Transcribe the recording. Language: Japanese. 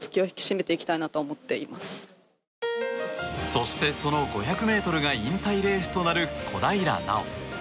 そして、その５００ｍが引退レースとなる小平奈緒。